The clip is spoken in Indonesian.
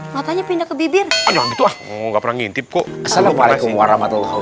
matanya pindah ke bibir itu enggak pernah ngintip kok assalamualaikum warahmatullah